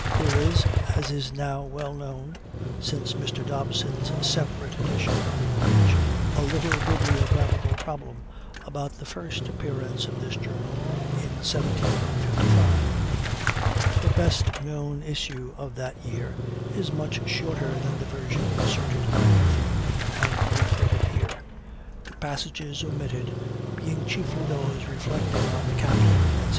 There is, as is now well known since Mr. Dobson's separate edition of the Voyage, a little bibliographical problem about the first appearance of this Journal in 1755. The best known issue of that year is much shorter than the version inserted by Murphy and reprinted here, the passages omitted being chiefly those reflecting on the captain, etc.